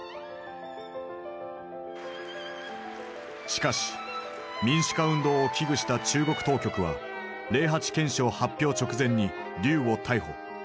しかし民主化運動を危惧した中国当局は「零八憲章」発表直前に劉を逮捕。